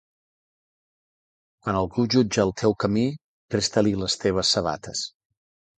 Quan algú jutge el teu camí, presta-li les teues sabates.